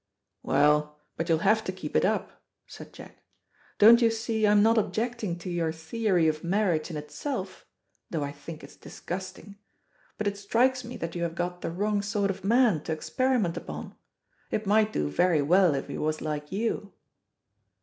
"Well, but you'll have to keep it up," said Jack. "Don't you see I'm not objecting to your theory of marriage in itself though I think it's disgusting but it strikes me that you have got the wrong sort of man to experiment upon. It might do very well if he was like you."